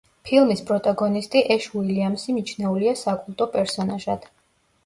ფილმის პროტაგონისტი ეშ უილიამსი მიჩნეულია საკულტო პერსონაჟად.